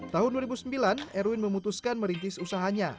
tahun dua ribu sembilan erwin memutuskan merintis usahanya